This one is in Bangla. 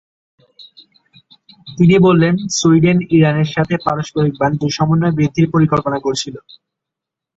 তিনি বলেন, সুইডেন, ইরানের সাথে পারস্পরিক বাণিজ্য সমন্বয় বৃদ্ধির পরিকল্পনা করছিল।